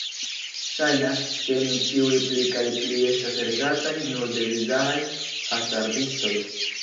Ŝajnas, ke ni ĉiuj pli kaj pli estas regataj nur de bizaraj hazardistoj.